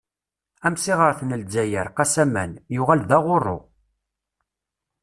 Amsiɣret n lezzayer "Qassaman" yuɣal d "Aɣurru".